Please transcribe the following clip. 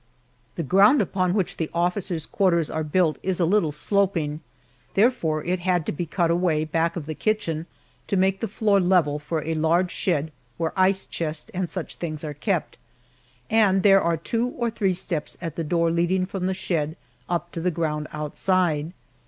The ground upon which the officers' quarters are built is a little sloping, therefore it had to be cut away, back of the kitchen, to make the floor level for a large shed where ice chest and such things are kept, and there are two or three steps at the door leading from the shed up to the ground outside.